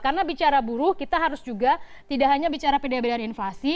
karena bicara buruh kita harus juga tidak hanya bicara pilihan pilihan inflasi